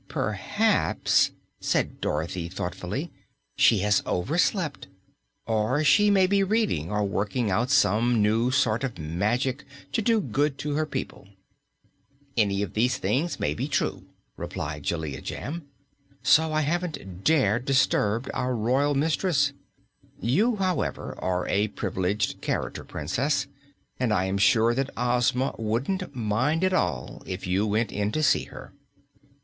"Perhaps," said Dorothy thoughtfully, "she has overslept. Or she may be reading or working out some new sort of magic to do good to her people." "Any of these things may be true," replied Jellia Jamb, "so I haven't dared disturb our royal mistress. You, however, are a privileged character, Princess, and I am sure that Ozma wouldn't mind at all if you went in to see her."